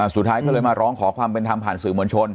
สุดท้ายก็เลยมาร้องขอความเป็นธรรมผ่านสื่อมวลชน